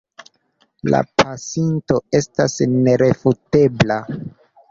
La pasinto estas nerefutebla.